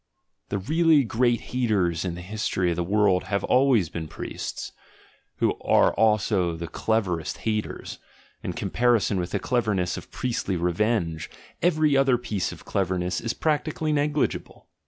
The really great haters in the history of the world have always been priests, who are also the cleverest haters — in comparison with the clever ness of priestly revenge, every other piece of cleverness is practically negligible.